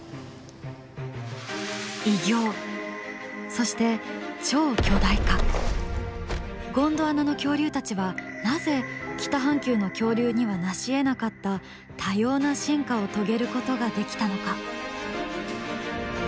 そしてゴンドワナの恐竜たちはなぜ北半球の恐竜にはなしえなかった多様な進化をとげることができたのか？